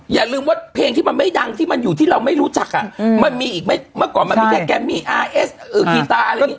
อย่าลืมว่าเพลงที่มันไม่ดังที่มันอยู่ที่เราไม่รู้จักอ่ะมันมีอีกเมื่อก่อนมันมีแค่แกมมี่อาร์เอสกีตาอะไรอย่างนี้